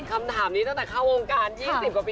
คำถามนี้ตั้งแต่เข้าวงการ๒๐กว่าปี